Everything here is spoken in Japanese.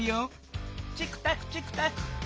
チクタクチクタク。